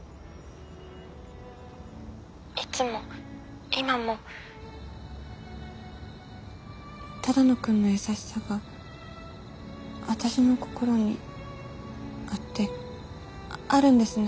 いつも今も只野くんの優しさが私の心にあってあるんですね